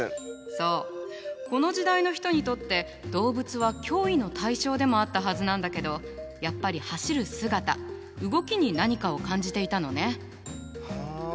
そうこの時代の人にとって動物は脅威の対象でもあったはずなんだけどやっぱり走る姿動きに何かを感じていたのね。は。